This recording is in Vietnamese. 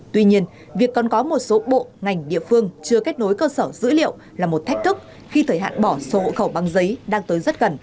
tuy nhiên việc còn có một số bộ ngành địa phương chưa kết nối cơ sở dữ liệu là một thách thức khi thời hạn bỏ sổ hộ khẩu bằng giấy đang tới rất gần